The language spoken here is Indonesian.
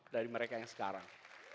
dari mereka yang sekarang